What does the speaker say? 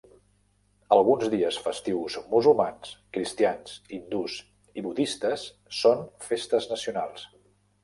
Alguns dies festius musulmans, cristians, hindús i budistes són festes nacionals.